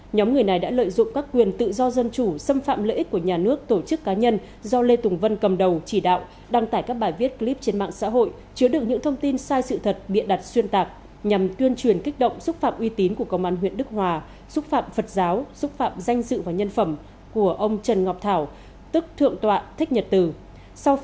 nhóm người này đã lợi dụng các quyền tự do dân chủ xâm phạm lợi ích của nhà nước tổ chức cá nhân do lê tùng vân cầm đầu chỉ đạo đăng tải các bài viết clip trên mạng xã hội chứa được những thông tin sai sự thật biện đặt xuyên tạc nhằm tuyên truyền kích động xúc phạm uy tín của công an huyện đức hòa xúc phạm phật giáo xúc phạm danh dự và nhân phẩm của ông trần ngọc thảo tức thượng tọa thích nhật từ